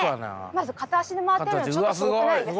まず片足で回っているのちょっとすごくないですか？